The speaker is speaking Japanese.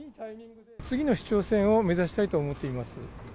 次の市長選を目指したいと思っています。